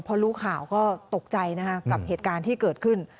พอรู้ข่าวก็ตกใจนะคะกับเหตุการณ์ที่เกิดขึ้น